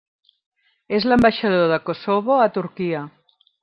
És l'ambaixador de Kosovo a Turquia.